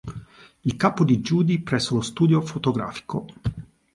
Il capo di Judy presso lo studio fotografico.